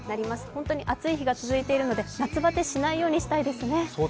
本当に暑い日が続いているので、夏バテしないようにしたいですね。